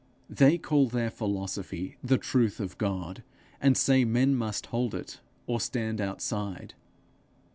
They call their philosophy the truth of God, and say men must hold it, or stand outside.